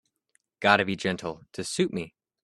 Gotta be gentle to suit me.